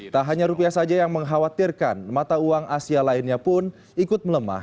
tak hanya rupiah saja yang mengkhawatirkan mata uang asia lainnya pun ikut melemah